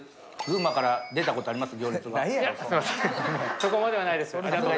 そこまではないです。